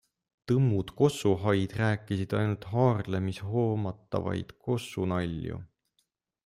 Tõmmud kossuhaid rääkisid ainult Haarlemis hoomatavaid kossunalju.